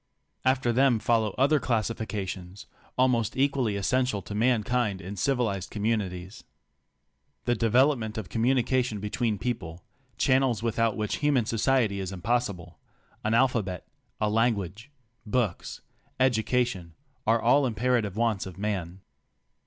After them follow other classifications al most equally essential to mankind in civilized communities. The development of communication between people — chan nels without which human society is impossible an alphabet, a language, books, education are all imperative wants of man.